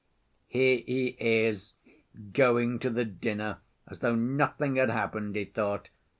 "Here he is, going to the dinner as though nothing had happened," he thought.